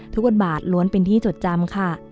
บทบาทล้วนเป็นที่จดจำค่ะ